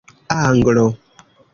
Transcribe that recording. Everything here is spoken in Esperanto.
anglo